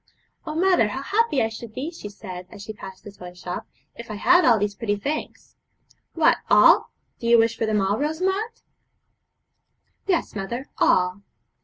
'Oh, mother, how happy I should be,' she said, as she passed a toy shop, 'if I had all these pretty things!' 'What, all! Do you wish for them all, Rosamond?' 'Yes, mother, all.'